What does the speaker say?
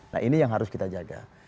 nah ini yang harus kita jaga